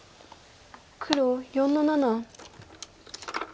黒４の七。